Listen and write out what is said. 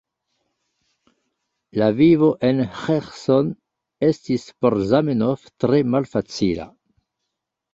La vivo en Ĥerson estis por Zamenhof tre malfacila.